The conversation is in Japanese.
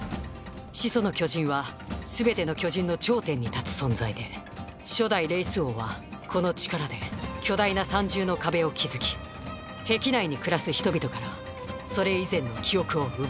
「始祖の巨人」はすべての巨人の頂点に立つ存在で初代レイス王はこの力で巨大な三重の壁を築き壁内に暮らす人々からそれ以前の記憶を奪いました。